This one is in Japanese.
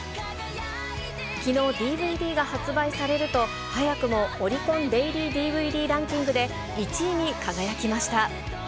きのう、ＤＶＤが発売されると、早くもオリコンデイリーＤＶＤランキングで、１位に輝きました。